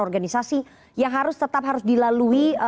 organisasi yang harus tetap harus dilalui